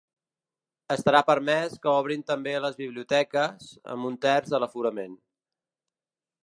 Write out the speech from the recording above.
Estarà permès que obrin també les biblioteques, amb un terç de l’aforament.